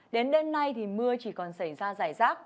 đến đêm nay thì mưa chỉ còn xảy ra giải rác